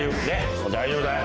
もう大丈夫だよ。